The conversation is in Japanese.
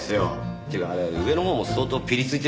っていうかあれ上のほうも相当ピリついてるらしいですね。